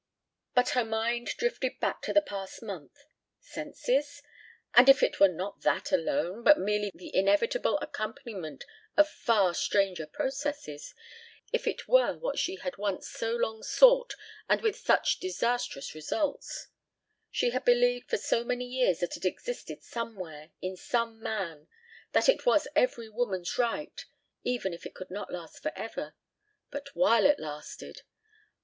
... But her mind drifted back to the past month. Senses? And if it were not that alone, but merely the inevitable accompaniment of far stranger processes ... if it were what she had once so long sought and with such disastrous results ... She had believed for so many years that it existed somewhere, in some man ... that it was every woman's right ... even if it could not last for ever. ... But while it lasted!